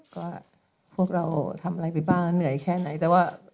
ก็พวกเราทำอะไรไปบ้างเหนื่อยแค่ไหนแต่ว่า